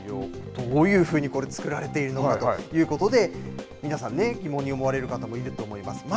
どういうふうにこれ作られているのかということで皆さん疑問に思われる方もいると思います。